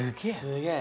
すげえ。